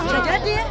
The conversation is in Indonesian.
bisa jadi ya